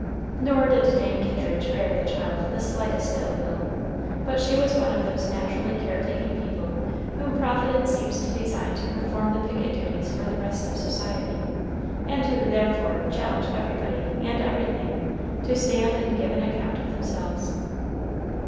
Nor did Dame Kittridge bear the child the slightest ill will, but she was one of those naturally care taking people whom Providence seems to design to perform the picket duties for the rest of society, and who, therefore, challenge everybody and everything to stand and give an account of themselves.